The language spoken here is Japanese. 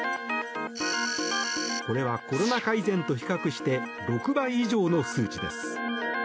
これはコロナ禍以前と比較して６倍以上の数値です。